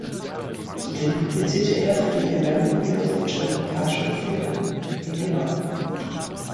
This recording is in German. Zudem publizierte er für die "American Guild for German Cultural Freedom" in New York.